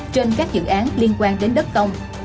trên các dự án liên quan đến đất không